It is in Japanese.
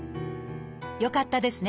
よかったですね！